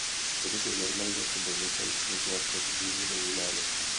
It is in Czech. V době normalizace byl nucen publikovat pod jinými jmény.